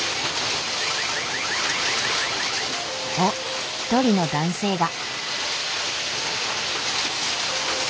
おっ一人の男性が。